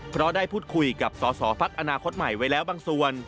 เพราะได้พูดคุยกับสอสอพักอนาคตใหม่ไว้แล้วบางส่วน